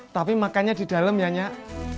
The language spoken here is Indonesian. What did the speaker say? tapi makannya di dalam ya nyak